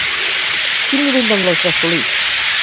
Quin nivell d'anglès va assolir?